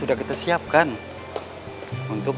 udah saya sikat tuh